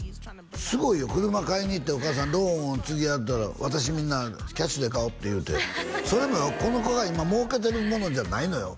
すごいよ車買いに行ってお母さんローンをつけはったら「私みんなキャッシュで買う」って言うてそれもよこの子が今儲けてるものじゃないのよ？